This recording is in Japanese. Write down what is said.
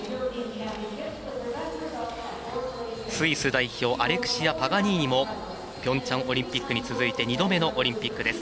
スイス代表アレクシア・パガニーニもピョンチャンオリンピックに続き２度目のオリンピック。